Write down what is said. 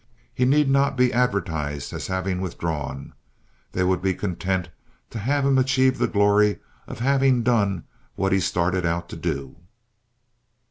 He need not be advertised as having withdrawn. They would be content to have him achieve the glory of having done what he started out to do.